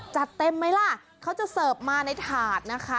จัดเต็มไหมล่ะเขาจะเสิร์ฟมาในถาดนะคะ